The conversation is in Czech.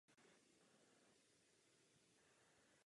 Následující tabulka shrnuje Newtonovy–Cotesovy vzorce uzavřeného typu.